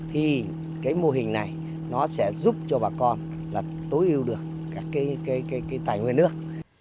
thì cái mô hình này nó sẽ giúp cho bà con là tối ưu được các cái tài nguyên nước